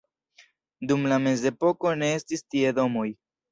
Dum la mezepoko ne estis tie domoj.